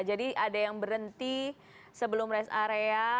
jadi ada yang berhenti sebelum res area